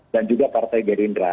dan juga partai gerindra